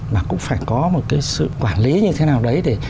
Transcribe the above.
mà cũng phải có một cái sự quản lý như thế nào đấy để